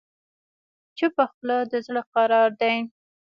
چپه خوله، د زړه قرار دی.